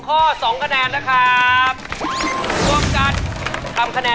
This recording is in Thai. ขอให้มา